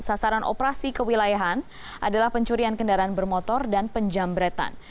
sasaran operasi kewilayahan adalah pencurian kendaraan bermotor dan penjambretan